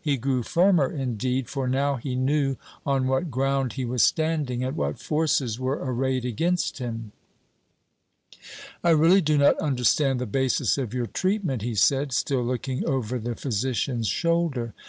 He grew firmer, indeed; for now he knew on what ground he was standing, and what forces were arrayed against him. "I really do not understand the basis of your treatment," he said, still looking over the physician's shoulder. Dr.